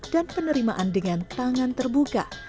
dan penerimaan dengan tangan terbuka